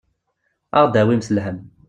Ad aɣ-d-tawimt lhemm.